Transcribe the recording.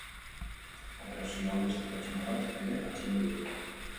Operazioan, beste pertsona bat ere atxilotu dute.